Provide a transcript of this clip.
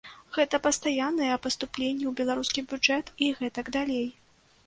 Гэта пастаянныя паступленні ў беларускі бюджэт і гэтак далей.